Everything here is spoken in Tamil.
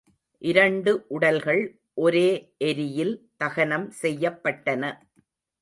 இரண்டு உடல்கள் ஒரே எரியில் தகனம் செய்யப் பட்டன.